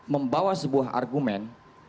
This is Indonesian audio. membawa sebuah argumen